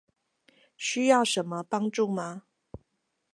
需要什麼幫助嗎？